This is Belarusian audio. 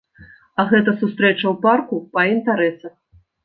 А гэта сустрэча ў парку па інтарэсах.